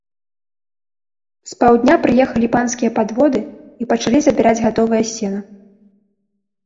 З паўдня прыехалі панскія падводы і пачалі забіраць гатовае сена.